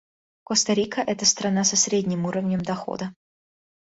Коста-Рика — это страна со средним уровнем дохода.